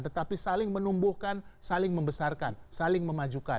tetapi saling menumbuhkan saling membesarkan saling memajukan